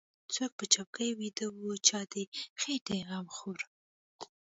څوک په چوکۍ ويده و چا د خېټې غم خوړ.